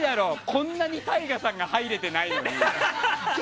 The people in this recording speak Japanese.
こんなにＴＡＩＧＡさんが入れてないって。